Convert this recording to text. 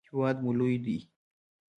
هیواد مو لوی ده.